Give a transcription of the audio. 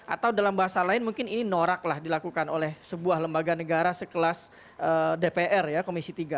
atau dalam bahasa lain mungkin ini noraklah dilakukan oleh sebuah lembaga negara sekelas dpr ya komisi tiga